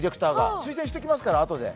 推薦しておきますから、あとで。